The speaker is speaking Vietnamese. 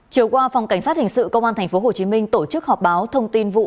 chiều qua phòng cảnh sát hình sự công an tp hồ chí minh tổ chức họp báo thông tin vụ